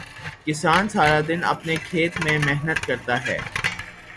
کسان سارا دن اپنے کھیت میں محنت کرتا